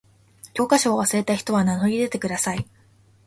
教科書を忘れた人は名乗り出てください。